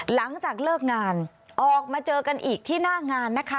หลังจากเลิกงานออกมาเจอกันอีกที่หน้างานนะคะ